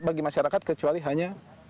bagi masyarakat kecuali hanya